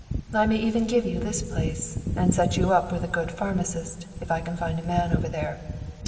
"I may even give you this place, and set you up with a good pharmacist, if I can find a man over there.